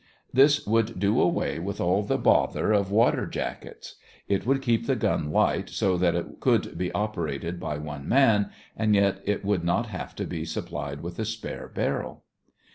This would do away with all the bother of water jackets. It would keep the gun light so that it could be operated by one man, and yet it would not have to be supplied with a spare barrel.